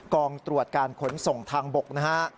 กองตรวจการขนส่งทางบกนะฮะ